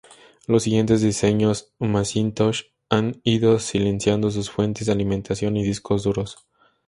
Los siguientes diseños Macintosh han ido silenciado sus fuentes de alimentación y discos duros.